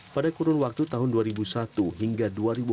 pada kurun waktu tahun dua ribu satu hingga dua ribu empat belas